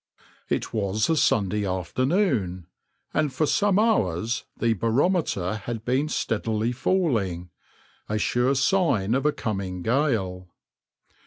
It was a Sunday afternoon, and for some hours the barometer had been steadily falling, a sure sign of a coming gale.